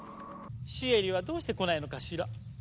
シエリはどうして来ないのかしら？